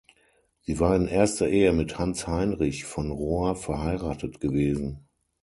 Sie war in erster Ehe mit Hans Heinrich von Rohr verheiratet gewesen.